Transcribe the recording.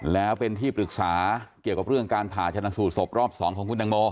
แล้วเป็นที่ปรึกษาเกี่ยวกับเรื่องการผ่าชนะสูตรศพรอบ๒ของคุณตังโม